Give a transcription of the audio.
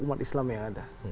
umat islam yang ada